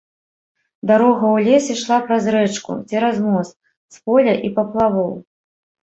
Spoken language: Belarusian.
Дарога ў лес ішла праз рэчку, цераз мост, з поля і паплавоў.